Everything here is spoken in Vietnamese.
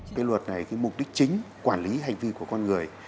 cái luật này cái mục đích chính quản lý hành vi của con người